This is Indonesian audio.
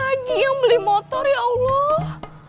lagi yang beli motor ya allah